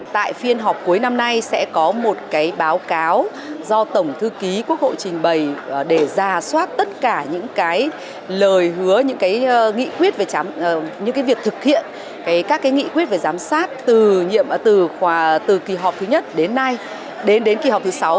tại phiên họp cuối năm nay sẽ có một báo cáo do tổng thư ký quốc hội trình bày để ra soát tất cả những lời hứa những nghị quyết về giám sát từ kỳ họp thứ nhất đến nay đến kỳ họp thứ sáu